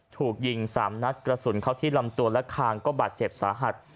ถูกยิง๓นัดกระสุนเข้าที่ลำตัวและคางก็บาดเจ็บสาหัส